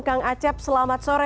kang acep selamat sore